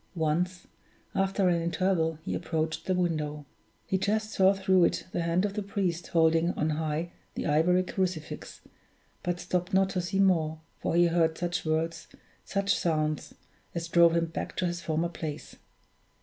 Once, after an interval, he approached the window. He just saw through it the hand of the priest holding on high the ivory crucifix; but stopped not to see more, for he heard such words, such sounds, as drove him back to his former place.